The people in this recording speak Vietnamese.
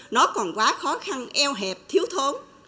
nó còn quá khó khăn eo hẹp thiếu thốn